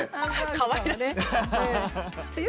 かわいらしい。